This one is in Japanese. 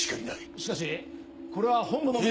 しかしこれは本部の命令。